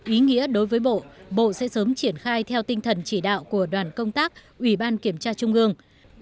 ý nghĩa đối với bộ bộ sẽ sớm triển khai theo tinh thần chỉ đạo của đoàn công tác ủy ban kiểm tra trung ương